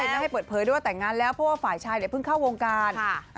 ไม่ให้เปิดเผยด้วยว่าแต่งงานแล้วเพราะว่าฝ่ายชายเนี่ยเพิ่งเข้าวงการ